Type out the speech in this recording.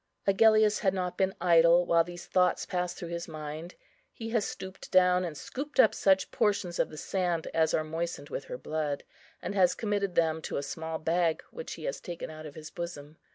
Agellius has not been idle while these thoughts pass through his mind. He has stooped down and scooped up such portions of the sand as are moistened with her blood, and has committed them to a small bag which he has taken out of his bosom.